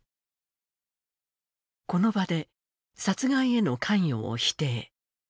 この場で殺害への関与を否定。